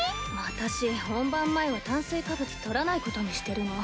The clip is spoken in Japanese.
私本番前は炭水化物取らないことにしてるの。